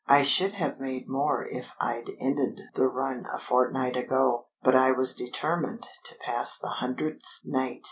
I should have made more if I'd ended the run a fortnight ago, but I was determined to pass the hundredth night.